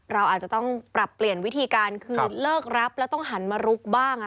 เราอาจจะต้องปรับเปลี่ยนวิธีการคือเลิกรับแล้วต้องหันมาลุกบ้าง